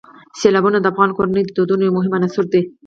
سیلابونه د افغان کورنیو د دودونو یو مهم عنصر دی.